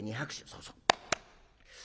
そうそう。